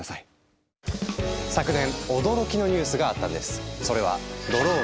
昨年驚きのニュースがあったんです。